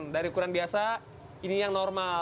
dari ukuran biasa ini yang normal